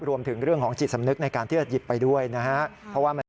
รวมถึงเรื่องของจิตสำนึกในการที่จะหยิบไปด้วยนะฮะ